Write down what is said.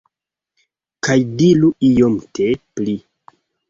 Kaj diru iomete pli